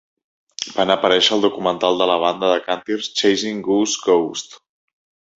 Van aparèixer al documental de la banda de càntirs Chasin 'Gus' Ghost.